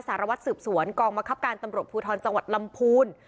สารวัตรสืบสวนกองมะครับการตำรวจภูทรจังหวัดลำพูน